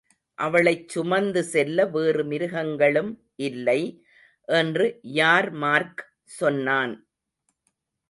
அவளைச் சுமந்து செல்ல வேறு மிருகங்களும் இல்லை என்று யார்மார்க் சொன்னான்.